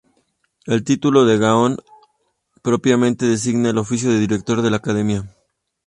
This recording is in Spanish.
El título de Gaón propiamente designa el oficio de Director de la academia.